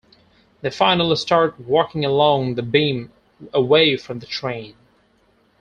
They finally start walking along the beam away from the train.